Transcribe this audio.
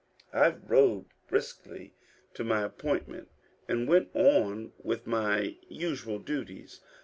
I rode briskly to my appointment, and went on with my usual duties.